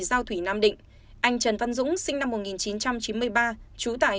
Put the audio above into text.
giao thủy nam định anh trần văn dũng sinh năm một nghìn chín trăm chín mươi ba trú tại